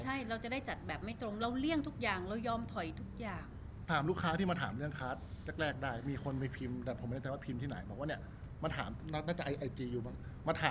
ใช่เราจะได้จัดแบบไม่ตรงเราเลี่ยงทุกอย่างเรายอมถอยทุกอย่าง